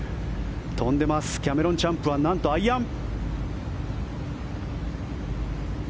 飛んでますキャメロン・チャンプはなんとアイアン。